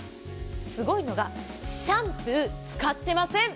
すごいのがシャンプー使っていません。